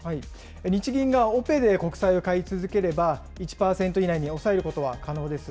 日銀がオペで国債を買い続ければ１％以内に抑えることは可能です。